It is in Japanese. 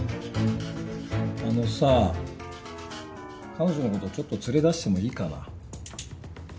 あのさ彼女のことちょっと連れ出してもいいかな？